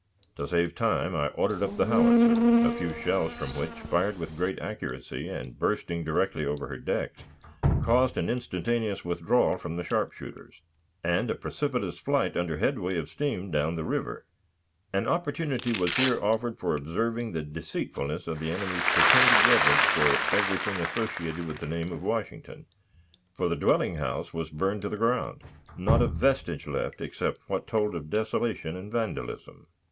... To save time I ordered up the howitzer, a few shells from which, fired with great accuracy, and bursting directly over her decks, caused an instantaneous withdrawal of the sharpshooters, and a precipitous flight under headway of steam down the river. ... An opportunity was here offered for observing the deceitfulness of the enemy's pretended reverence for everything associated with the name of Washington for the dwelling house was burned to the ground, not a vestige left except what told of desolation and vandalism.